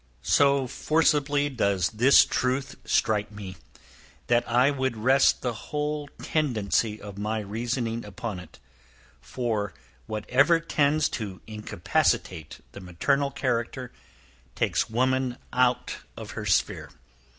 So forcibly does this truth strike me, that I would rest the whole tendency of my reasoning upon it; for whatever tends to incapacitate the maternal character, takes woman out of her sphere.